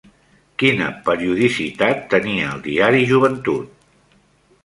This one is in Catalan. Quina periodicitat tenia el diari Joventut?